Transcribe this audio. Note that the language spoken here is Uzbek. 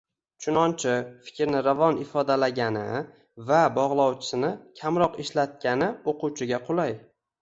Chunonchi, fikrni ravon ifodalagani, “va” bog‘lovchisini kamroq ishlatgani o‘quvchiga qulay.